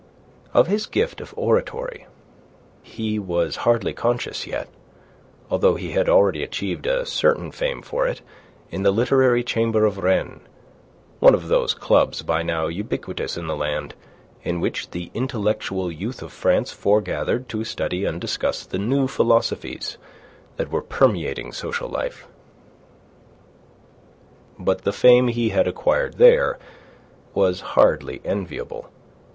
Of his gift of oratory he was hardly conscious yet, although he had already achieved a certain fame for it in the Literary Chamber of Rennes one of those clubs by now ubiquitous in the land, in which the intellectual youth of France foregathered to study and discuss the new philosophies that were permeating social life. But the fame he had acquired there was hardly enviable.